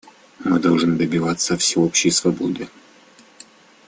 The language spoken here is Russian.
Мы должны добиваться всеобщей свободы.